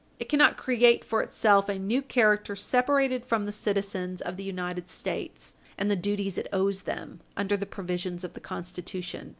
It cannot create for itself a new character separated from the citizens of the United States and the duties it owes them under the provisions of the Constitution.